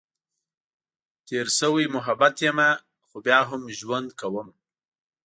تېر شوی محبت یمه، خو بیا هم ژوند کؤم.